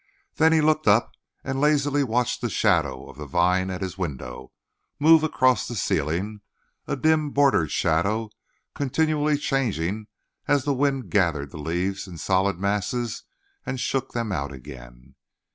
Then he looked up and lazily watched the shadow of the vine at his window move across the ceiling, a dim bordered shadow continually changing as the wind gathered the leaves in solid masses and shook them out again.